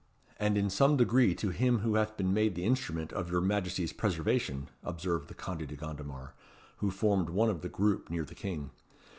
"And in some degree to him who hath been made the instrument of your Majesty's preservation," observed the Conde de Gondomar, who formed one of the group near the King.